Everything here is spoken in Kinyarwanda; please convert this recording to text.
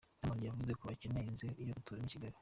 Diamond avuga ko akeneye inzu yo guturamo i Kigali.